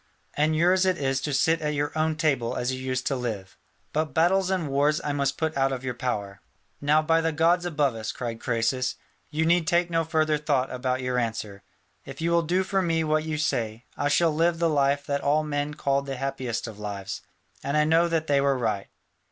And yours it is to sit at your own table as you used to live. But battles and wars I must put out of your power." "Now by the gods above us," cried Croesus, "you need take no further thought about your answer: if you will do for me what you say, I shall live the life that all men called the happiest of lives, and I knew that they were right."